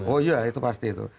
oh iya itu pasti itu